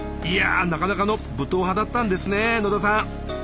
いやぁなかなかの武闘派だったんですね野田さん！